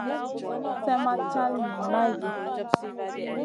Slèh ma cal niyn maydi.